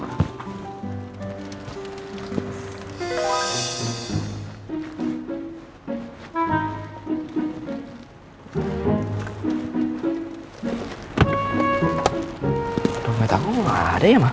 udah kita ngomong gak ada ya mak